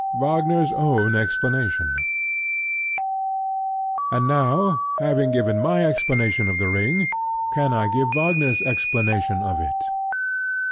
WAGNER'S OWN EXPLANATION And now, having given my explanation of The Ring, can I give Wagner's explanation of it?